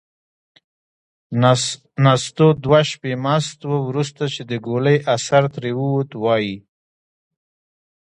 نستوه دوه شپې مست و. وروسته چې د ګولۍ اثر ترې ووت، وايي: